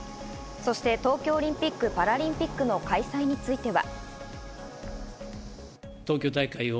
そして東京オリンピック・パラリンピックの開催については。